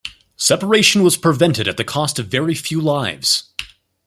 Separation was prevented at the cost of very few lives.